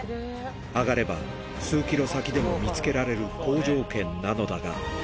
上がれば数キロ先でも見つけられる好条件なのだが。